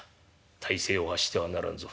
体勢を悪してはならんぞ。